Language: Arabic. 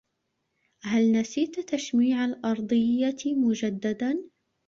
هل نسيت تشميع الأرضيّة مجدّدا؟